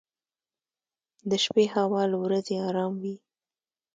• د شپې هوا له ورځې ارام وي.